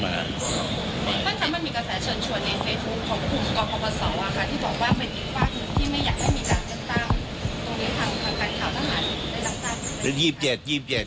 การขายข่าวทหารในหลักศาล